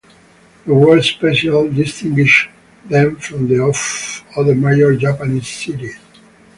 The word "special" distinguishes them from the of other major Japanese cities.